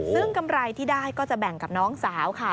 ซึ่งกำไรที่ได้ก็จะแบ่งกับน้องสาวค่ะ